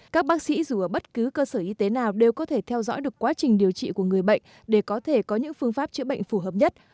các bác sĩ dù ở bất cứ cơ sở y tế nào đều có thể theo dõi được quá trình điều trị của người bệnh để có thể có những phương pháp chữa bệnh phù hợp nhất